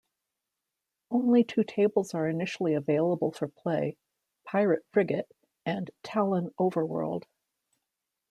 Only two tables are initially available for play: Pirate Frigate and Tallon Overworld.